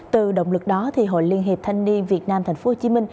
từ động lực đó hội liên hiệp thanh niên việt nam tp hcm